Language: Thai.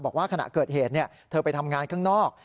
บอกว่าขณะเกิดเหตุเธอไปทำงานข้างนอก